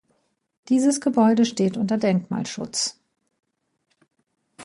Dieses Gebäude steht unter Denkmalschutz.